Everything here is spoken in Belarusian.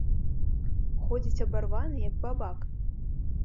Ходзіць абарваны, як бабак.